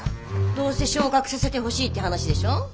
どうせ昇格させてほしいって話でしょ。